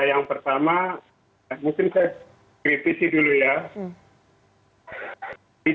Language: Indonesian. yang pertama mungkin saya kritisi dulu ya